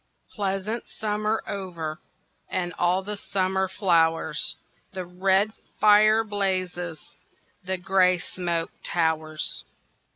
Pleasant summer over And all the summer flowers, The red fire blazes, The grey smoke towers.